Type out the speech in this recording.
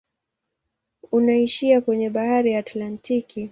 Unaishia kwenye bahari ya Atlantiki.